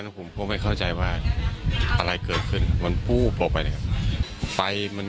ผมก็ไม่เข้าใจว่าอะไรเกิดขึ้น